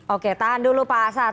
oke tahan dulu pak asad